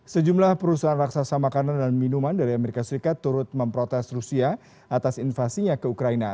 sejumlah perusahaan raksasa makanan dan minuman dari amerika serikat turut memprotes rusia atas invasinya ke ukraina